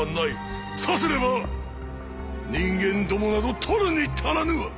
さすれば人間どもなど取るに足らぬわ！